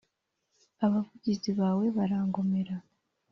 abavugizi bawe barangomera,